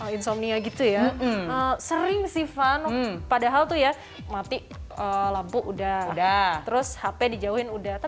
insomnia gitu ya sering siva padahal tuh ya mati lampu udah udah terus hp dijauhin udah